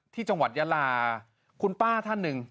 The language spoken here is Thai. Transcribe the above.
ที่จังหวัดยาลาคุณป้าท่านหนึ่ง